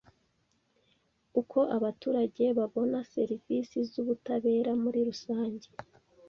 Uko abaturage babona serivisi z ubutabera muri rusange